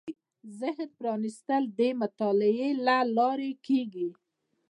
ذهن پرانېستل د مطالعې له لارې کېږي